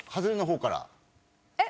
えっ？